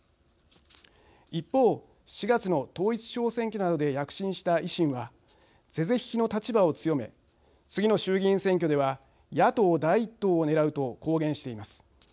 一方、４月の統一地方選挙などで躍進した維新は是々非々の立場を強め次の衆議院選挙では野党第１党をねらうと公言しています。